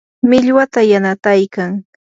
millwata yanataykan.